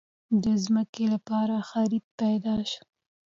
د ځمکې لپاره خريدار پېدا شو.